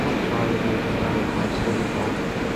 স্বাভাবিক মৃত্যুহার এখানে খুবই কম।